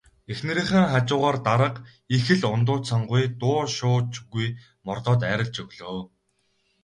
Эхнэрийнхээ хажуугаар дарга их л ундууцангуй дуу шуу ч үгүй мордоод арилж өглөө.